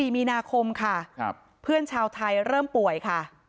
๔มีนาคมค่ะครับพี่ชาวไทยเริ่มป่วยค่ะ